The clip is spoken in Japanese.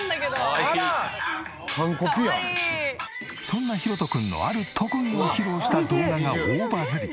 そんなヒロトくんのある特技を披露した動画が大バズり。